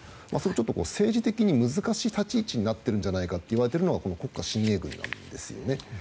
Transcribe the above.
ちょっと政治的に難しい立ち位置になっているんじゃないかと言われているのがこの国家親衛軍なんです。